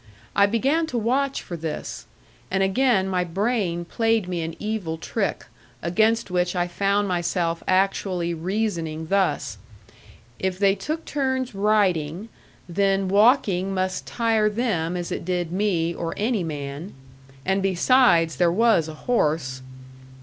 I began to watch for this. And again my brain played me an evil trick, against which I found myself actually reasoning thus: if they took turns riding, then walking must tire them as it did me or any man. And besides, there was a horse.